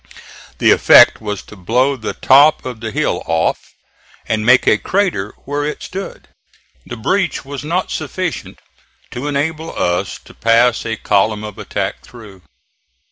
The effect was to blow the top of the hill off and make a crater where it stood. The breach was not sufficient to enable us to pass a column of attack through.